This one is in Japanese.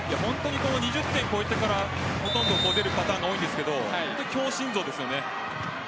２０点超えてからほとんど出るバターンが多いんですが強心臓ですよね。